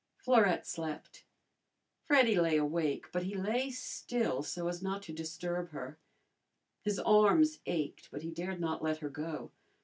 Florette slept. Freddy lay awake, but he lay still so as not to disturb her. His arms ached, but he dared not let her go.